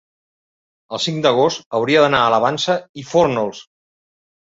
el cinc d'agost hauria d'anar a la Vansa i Fórnols.